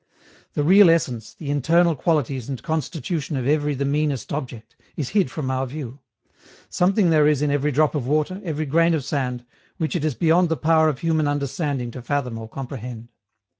The real essence, the internal qualities and constitution of every the meanest object, is hid from our view; something there is in every drop of water, every grain of sand, which it is beyond the power of human understanding to fathom or comprehend.